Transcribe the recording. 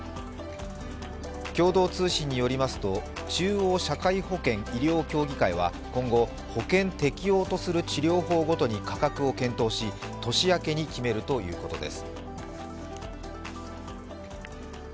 共同通信によりますと中央社会保険医療協議会は今後、保険適用とする治療法ごとに価格を検討し年明けに決めるということです。